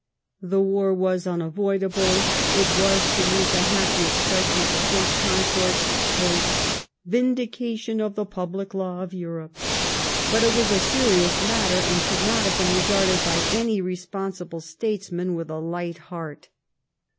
^. The war was unavoidable ; it was, to use a happy ex pression of the Prince Consort's, a *' vindication of the public law of £urope "; but it was a serious matter, and should not have been regarded by any responsible states man with a light heart.